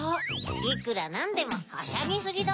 いくらなんでもはしゃぎすぎだぜ！